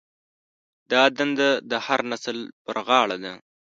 دا دنده د هر نسل پر غاړه ده.